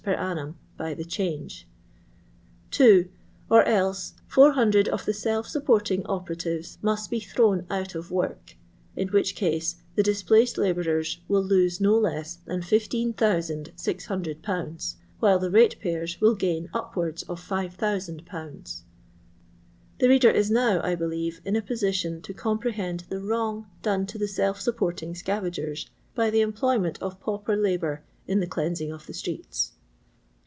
per annum by the change; (2) or e^ 400 of the self supporting operatives most be thrown out of work, in which case the displaced labourers will lose no less than 15,600/., while the ratepayers will gain upwards of 5000/. The reader ia now, I believe, in a position to comprehend the wrong done to the self supporting scavagers by the emjdoyment of pauper labour in the cleansing of the streets.